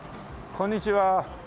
こんにちは。